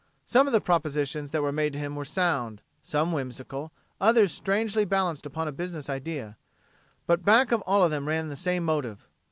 Some of the propositions that were made to him were sound, some whimsical, others strangely balanced upon a business idea but back of all of them ran the same motive.